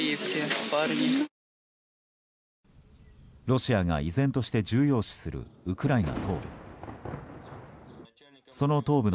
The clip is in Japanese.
ロシアが依然として重要視するウクライナ東部。